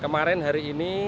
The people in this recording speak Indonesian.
kemarin hari ini